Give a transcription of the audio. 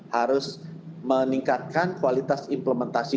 harus meningkatkan kualitas implementasi